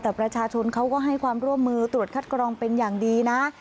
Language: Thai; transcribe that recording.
แต่ประชาชนเขาก็ให้ความร่วมมือตรวจคัดกรองเป็นอย่างดีนะ